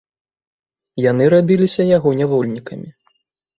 Яны рабіліся яго нявольнікамі.